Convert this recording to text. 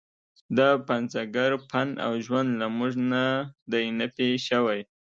د پنځګر فن او ژوند له موږ نه دی نفي شوی.